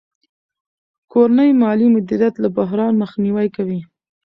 کورنی مالي مدیریت له بحران مخنیوی کوي.